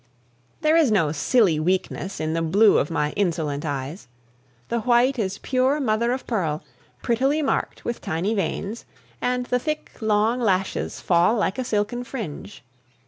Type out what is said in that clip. There is no silly weakness in the blue of my insolent eyes; the white is pure mother of pearl, prettily marked with tiny veins, and the thick, long lashes fall like a silken fringe.